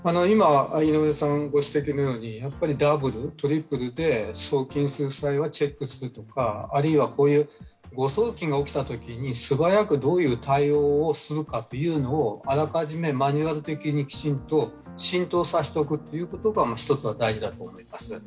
放てやはりダブル、トリプルで送金する際にはチェックするとか誤送金が起きたときに、素早くどういう対応をするかというのをあらかじめマニュアル的にきちんと浸透させておくことが一つは大事だと思います。